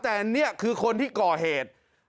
แต่นี่คือคนที่ก่อเหตุ